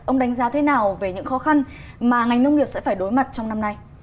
ông đánh giá thế nào về những khó khăn mà ngành nông nghiệp sẽ phải đối mặt trong năm nay